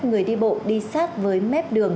người đi bộ đi sát với mép đường